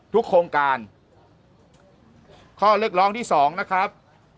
โครงการข้อเรียกร้องที่สองนะครับ